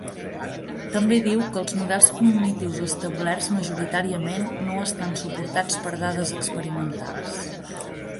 També diu que els models cognitius establerts majoritàriament no estan suportats per dades experimentals.